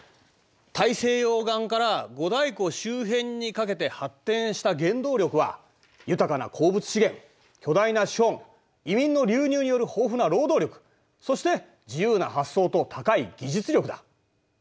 大西洋岸から五大湖周辺にかけて発展した原動力は豊かな鉱物資源巨大な資本移民の流入による豊富な労働力そして自由な発想と高い技術力だ。